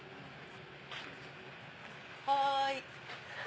はい。